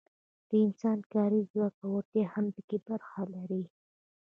د انسان کاري ځواک او وړتیا هم پکې برخه لري.